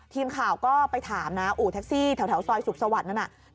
ทีมข่าวก็ไปถามอู่แท็กซี่แถวซอยสุขสวัสดิ์นั้น